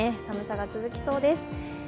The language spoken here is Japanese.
寒さが続きそうです。